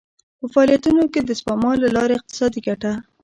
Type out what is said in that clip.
په فعالیتونو کې د سپما له لارې اقتصادي ګټه.